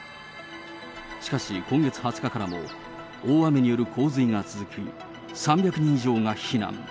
しかし、今月２０日からも大雨による洪水が続き、３００人以上が避難。